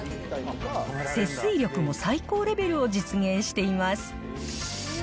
節水力も最高レベルを実現しています。